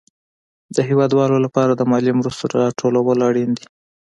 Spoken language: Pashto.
د هېوادوالو لپاره د مالي مرستو راټول اړين دي.